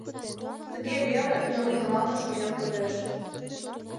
Тыге веле йол ӱмбалне шоген кодеш.